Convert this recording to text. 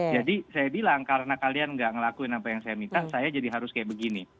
jadi saya bilang karena kalian enggak ngelakuin apa yang saya minta saya jadi harus kayak begini